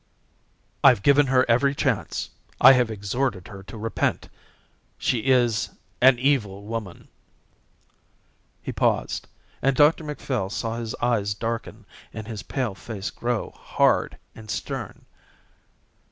"I've given her every chance. I have exhorted her to repent. She is an evil woman." He paused, and Dr Macphail saw his eyes darken and his pale face grow hard and stern.